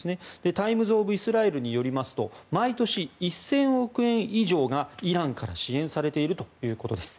タイムズ・オブ・イスラエルによりますと毎年、１０００億円以上がイランから支援されているということです。